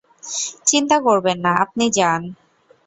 চিন্তা করবেন না, আপনি যান।